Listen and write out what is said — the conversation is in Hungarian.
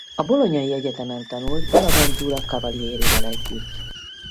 A Bolognai Egyetemen tanult Bonaventura Cavalierivel együtt.